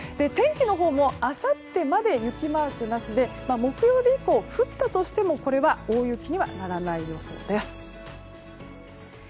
天気のほうもあさってまで雪マークなしで木曜日以降、降ったとしてもこれは大雪にならない予想です。